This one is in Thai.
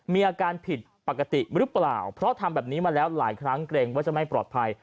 มีอาการผิดปกติหรือเปล่าเพราะทำแบบนี้มาแล้วหลายครั้งเกรงว่าจะไม่ปลอดภัย